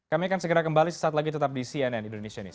kami akan segera kembali sesaat lagi tetap di cnn indonesia news